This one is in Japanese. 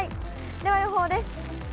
では予報です。